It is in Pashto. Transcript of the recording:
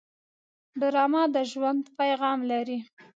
ډرامه د ژوند پیغام لري